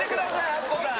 アッコさん